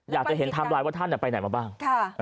อยากจะเห็นไทม์ไลน์ว่าท่านไปไหนมาบ้าง